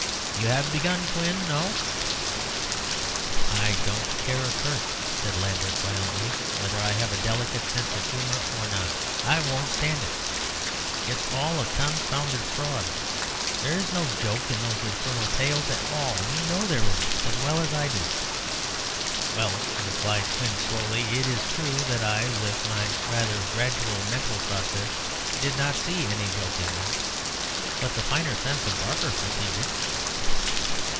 "You have," began Quin, "no " "I don't care a curse," said Lambert, violently, "whether I have 'a delicate sense of humour' or not. I won't stand it. It's all a confounded fraud. There's no joke in those infernal tales at all. You know there isn't as well as I do." "Well," replied Quin, slowly, "it is true that I, with my rather gradual mental processes, did not see any joke in them. But the finer sense of Barker perceived it."